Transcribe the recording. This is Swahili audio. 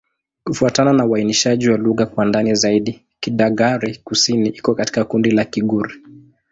Kufuatana na uainishaji wa lugha kwa ndani zaidi, Kidagaare-Kusini iko katika kundi la Kigur.